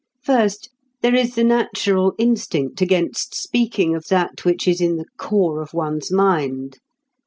First, there is the natural instinct against speaking of that which is in the core of one's mind.